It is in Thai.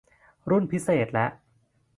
รุ่นพิเศษแหละ